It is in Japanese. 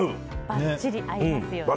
ばっちり合いますよね。